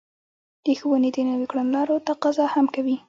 د ښوونې د نويو کړنلارو تقاضا هم کوي.